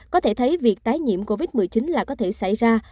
có thể thấy việc tái nhiễm covid một mươi chín là có thể xảy ra